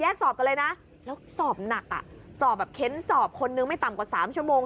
สอบกันเลยนะแล้วสอบหนักอ่ะสอบแบบเค้นสอบคนนึงไม่ต่ำกว่า๓ชั่วโมง